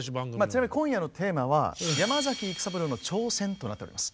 ちなみに今夜のテーマは「山崎育三郎の挑戦」となっております。